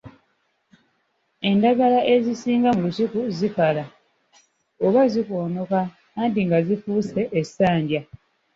Endagala ezisinga mu lusuku zikala oba zikoonoka anti nga zifuuse essanja.